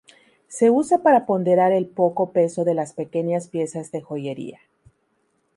Se usa para ponderar el poco peso de las pequeñas piezas de joyería.